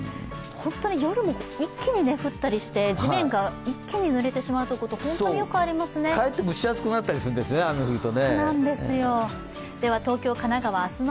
本当に夜も一気に降ったりして、地面が一気にぬれてしまうということかえって蒸し暑くなったりするんですよね、雨が降ると。